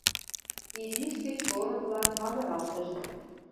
Изиш гыч шорык-влак магыралтышт.